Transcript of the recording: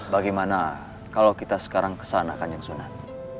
bagaimana kalau kita sekarang kesana kanjeng tsunami